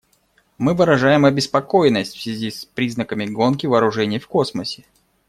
Мы выражаем обеспокоенность в связи с признаками гонки вооружений в космосе.